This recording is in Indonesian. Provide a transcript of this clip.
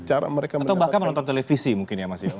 atau bahkan menonton televisi mungkin ya mas ya